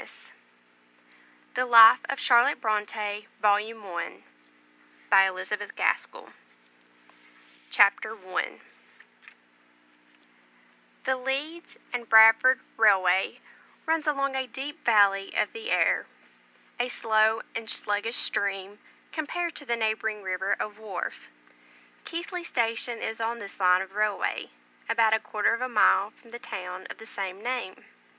uk THE LIFE OF CHARLOTTE BRONTE VOLUME 1 CHAPTER I The Leeds and Skipton railway runs along a deep valley of the Aire; a slow and sluggish stream, compared to the neighbouring river of Wharfe. Keighley station is on this line of railway, about a quarter of a mile from the town of the same name.